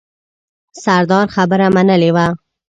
سردار خبره منلې وه.